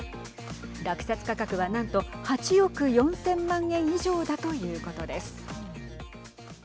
落札価格は、なんと８億４０００万円以上だということです。